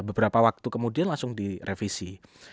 beberapa waktu kemudian langsung direvisi